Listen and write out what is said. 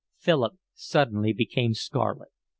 Philip suddenly became scarlet.